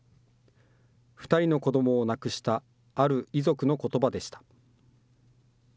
２人の子どもを亡くした、ある遺族のことばでした。